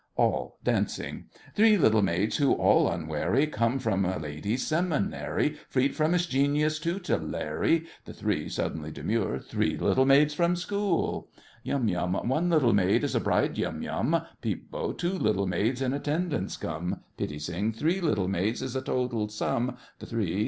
ALL (dancing). Three little maids who, all unwary, Come from a ladies' seminary, Freed from its genius tutelary— THE THREE (suddenly demure). Three little maids from school! YUM YUM. One little maid is a bride, Yum Yum— PEEP BO. Two little maids in attendance come— PITTI SING. Three little maids is the total sum. THE THREE.